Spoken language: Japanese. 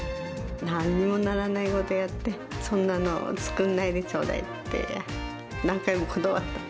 なんにもならないことやって、そんなの作んないでちょうだいって、何回も断ったの。